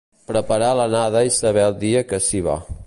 Preparar l'anada i saber el dia que s'hi va;